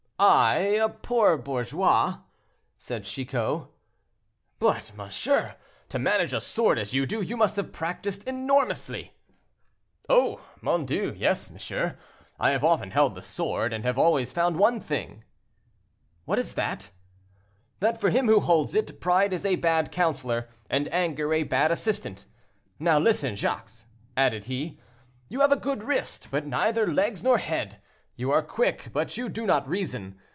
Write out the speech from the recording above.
"I, a poor bourgeois!" said Chicot. "But, monsieur, to manage a sword as you do, you must have practiced enormously." "Oh! mon Dieu! yes, monsieur, I have often held the sword, and have always found one thing."—"What is that?" "That for him who holds it, pride is a bad counselor and anger a bad assistant. Now, listen, Jacques," added he: "you have a good wrist, but neither legs nor head; you are quick, but you do not reason.